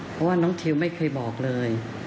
เพราะว่าน้องทิวไม่เคยบอกเลย